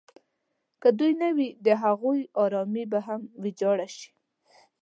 که دوی نه وي د هغوی ارامي به هم ویجاړه شي.